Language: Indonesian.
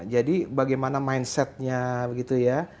jadi bagaimana mindsetnya gitu ya